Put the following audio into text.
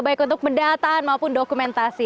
baik untuk pendataan maupun dokumentasi